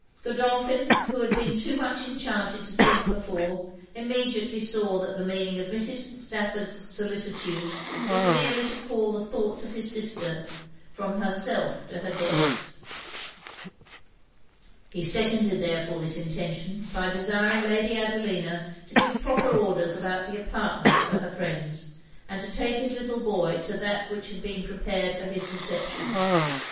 Godolphin, who had been too much enchanted to think before, immediately saw that the meaning of Mrs. Stafford's solicitude was merely to call the thoughts of his sister from herself to her guests; he seconded therefore this intention, by desiring Lady Adelina to give proper orders about the apartments for her friends; and to take his little boy to that which had been prepared for his reception.